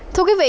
thưa quý vị